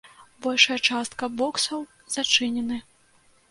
Большая частка боксаў зачынены.